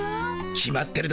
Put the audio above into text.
決まってるだろ。